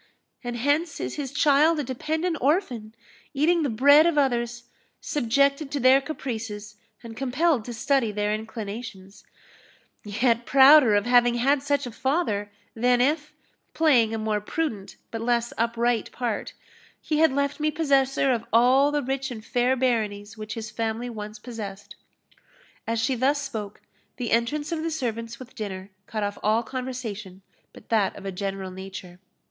And hence is his child a dependent orphan eating the bread of others subjected to their caprices, and compelled to study their inclinations; yet prouder of having had such a father, than if, playing a more prudent but less upright part, he had left me possessor of all the rich and fair baronies which his family once possessed." As she thus spoke, the entrance of the servants with dinner cut off all conversation but that of a general nature.